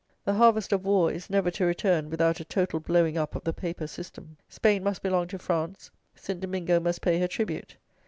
The "harvest of war" is never to return without a total blowing up of the paper system. Spain must belong to France, St. Domingo must pay her tribute.